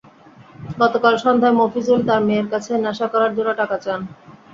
গতকাল সন্ধ্যায় মফিজুল তাঁর মেয়ের কাছে নেশা করার জন্য টাকা চান।